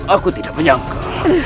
aku tidak menyangka